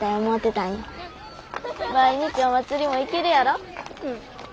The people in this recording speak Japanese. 毎日お祭りも行けるやろ？